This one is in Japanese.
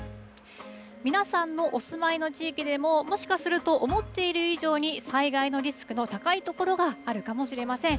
皆さんのお住まいの地域でも、もしかすると、思っている以上に災害のリスクの高い所があるかもしれません。